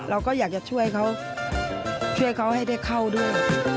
เราก็อยากจะช่วยเขาช่วยเขาให้ได้เข้าด้วย